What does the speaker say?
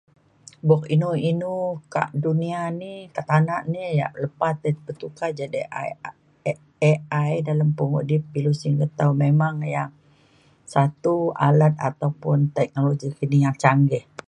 buk inu inu kak dunia ni ka tanak ni yak lepa petuka jadek i- AI dalem pengudip ilu singget tau memang yak satu alat ataupun teknologi kini yang canggih